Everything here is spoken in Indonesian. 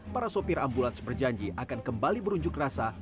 para sopir ambulans berjanji akan kembali berunjuk rasa